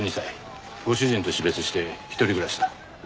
ご主人と死別して一人暮らしだ。